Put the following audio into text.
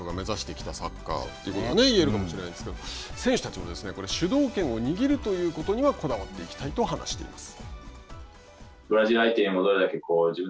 これ、まさに今の日本代表が目指してきたサッカーということが言えるかもしれませんけど選手たちも主導権を握るということにはこだわっていきたいと話しています。